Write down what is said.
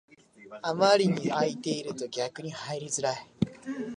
あまりに空いてると逆に入りづらい